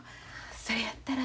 それやったら。